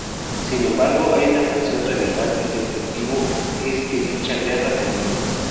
Sin embargo, hay una fracción radical cuyo objetivo es que dicha guerra comience.